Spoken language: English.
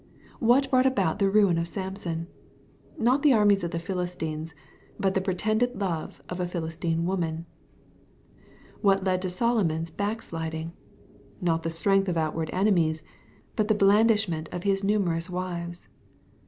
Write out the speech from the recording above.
What brought aboyiiiheruin of Samson ? Not the armies of the Philistines, but the pretended love of a Philistine_woman. fWhat led to Solomon's back sliding ? Not the strength of outward enemies, but the blandishment of his numerous wives.